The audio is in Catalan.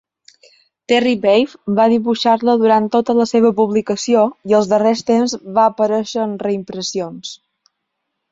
Terry Bave va dibuixar-la durant tota la seva publicació, i als darrers temps va aparèixer en reimpressions.